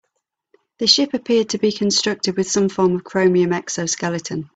The ship appeared to be constructed with some form of chromium exoskeleton.